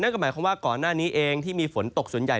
ก็หมายความว่าก่อนหน้านี้เองที่มีฝนตกส่วนใหญ่